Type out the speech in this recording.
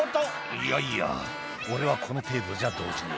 「いやいや俺はこの程度じゃ動じねえ」